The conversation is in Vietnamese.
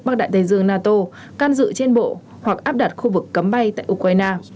bắc đại tây dương nato can dự trên bộ hoặc áp đặt khu vực cấm bay tại ukraine